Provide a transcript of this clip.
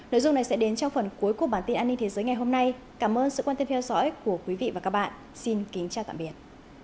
nội dung này sẽ đến trong phần cuối của bản tin an ninh thế giới ngày hôm nay cảm ơn sự quan tâm theo dõi của quý vị và các bạn xin kính chào tạm biệt